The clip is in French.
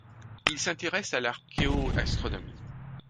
Il s'intéresse à l'archéo-astronomie.